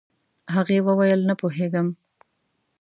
هغې وويل نه پوهيږم.